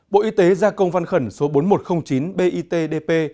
bộ y tế gia công văn khẩn số bốn nghìn một trăm linh chín bitdp